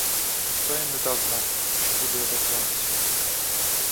Ніхто їм не дав знати, що буде евакуація.